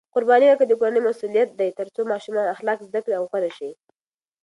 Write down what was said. قرباني ورکول د کورنۍ مسؤلیت دی ترڅو ماشومان اخلاق زده کړي او غوره شي.